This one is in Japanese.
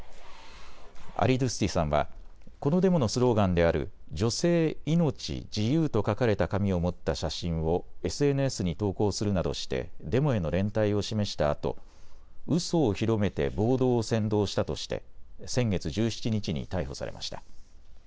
アリドゥスティさんはこのデモのスローガンである女性・命・自由と書かれた紙を持った写真をＳＮＳに投稿するなどしてデモへの連帯を示したあとうそを広めて暴動を扇動したとして先月１７日に逮捕されました。